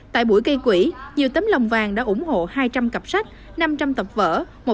tại buổi gây quỹ nhiều tấm lòng vàng đã ủng hộ hai trăm linh cặp sách năm trăm linh tập vở